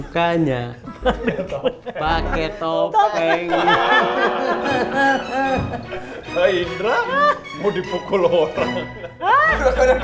hai hainra mau dipukul orang orang